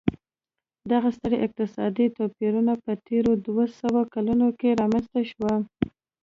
دغه ستر اقتصادي توپیرونه په تېرو دوه سوو کلونو کې رامنځته شوي.